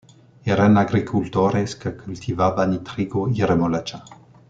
Eran agricultores que cultivaban trigo y remolacha.